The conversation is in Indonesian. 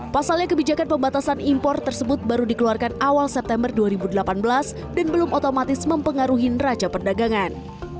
pasalnya kebijakan pembatasan impor tersebut baru dikeluarkan awal september dua ribu delapan belas dan belum otomatis mempengaruhi neraca perdagangan